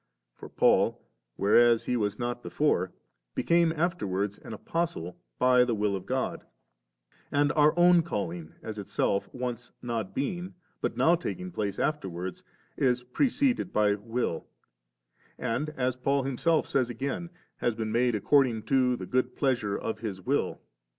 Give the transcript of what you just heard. For Paul, whereas he was not before, became afterwards an Apostle ' by the will of God*;' and our own calling, as itself once not being, but now taking place afterwards, is preceded by will, and, as Paul himself says again, has been made ' according to the good pleasure of His will 3.'